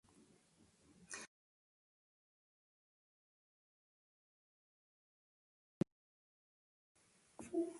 Le pagaban dos libras por semana porque era una mujer joven.